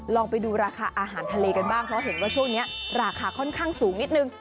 ลองไปดูราคาอาหารทะเลกันบ้างเพราะเห็นว่าช่วงนี้ราคาค่อนข้างสูงนิดนึง